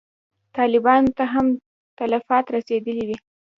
طالبانو ته هم تلفات رسېدلي وي.